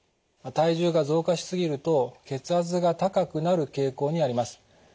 体重が増加し過ぎると血圧が高くなる傾向にあります。